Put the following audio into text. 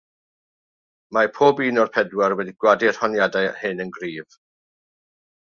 Mae pob un o'r pedwar wedi gwadu'r honiadau hyn yn gryf.